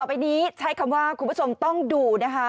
ไปนี้ใช้คำว่าคุณผู้ชมต้องดูนะคะ